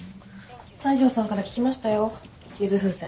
西條さんから聞きましたよ水風船。